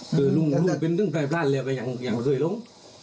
หรือลุงเป็นเรื่องแปลกเลยอย่างสวยลง